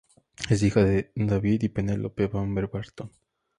Es hija de David y Penelope Bamber-Barton.